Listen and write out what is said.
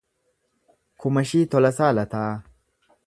Kumashii Tolasaa Lataa